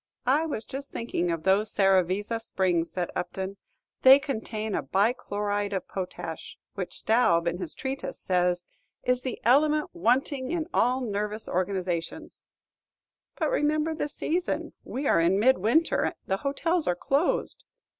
"I was just thinking of those Serravezza springs," said Upton; "they contain a bi chloride of potash, which Staub, in his treatise, says, 'is the element wanting in all nervous organizations.'" "But remember the season, we are in mid winter; the hotels are closed."